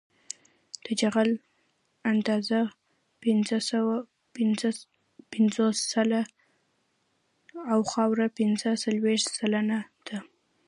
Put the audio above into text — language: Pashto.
د جغل اندازه پنځه پنځوس سلنه او خاوره پنځه څلویښت سلنه ده